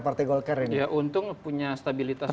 partai golkar ini ya untung punya stabilitas